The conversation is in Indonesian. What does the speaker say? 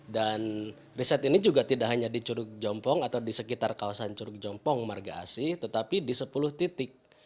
dan riset ini juga tidak hanya di curug jompong atau di sekitar kawasan curug jompong marga asli tetapi di sepuluh titik